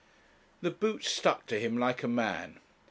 The boots stuck to him like a man.